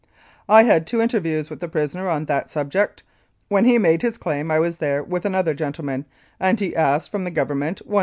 I had two interviews with the prisoner on that sub ject. When he made his claim I was there with another gentleman, and he asked from the Government $100,000.